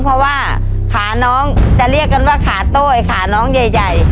เพราะว่าขาน้องจะเรียกกันว่าขาโต้ไอ้ขาน้องใหญ่